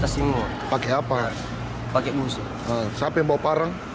siapa yang membawa parang